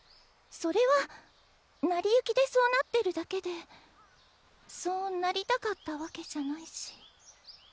それは成り行きでそうなってるだけでそうなりたかったわけじゃないし。